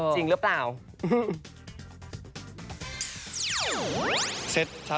จริงหรือเปล่า